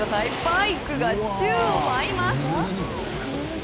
バイクが宙を舞います。